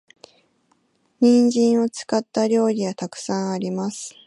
人参を使った料理は沢山あります。